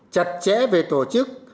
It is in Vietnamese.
chặt chẽ về tổ chức